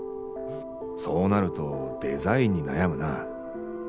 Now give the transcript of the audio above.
「そうなるとデザインに悩むな」。